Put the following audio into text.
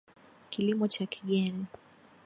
Kilimo cha Kigeni